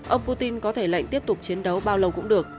ông putin có thể lệnh tiếp tục chiến đấu bao lâu cũng được